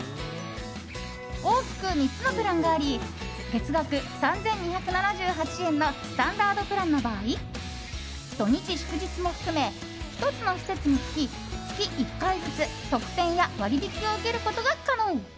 大きく３つのプランがあり月額３２７８円のスタンダードプランの場合土日祝日も含め１つの施設につき、月１回ずつ特典や割引を受けることが可能。